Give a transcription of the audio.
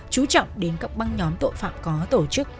chú trọng đến các băng nhóm tội phạm có tổ chức